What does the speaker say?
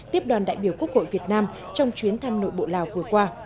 tiếp đoàn đại biểu quốc hội việt nam trong chuyến thăm nội bộ lào vừa qua